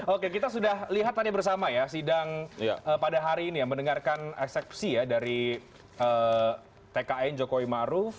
oke kita sudah lihat tadi bersama ya sidang pada hari ini ya mendengarkan eksepsi ya dari tkn jokowi maruf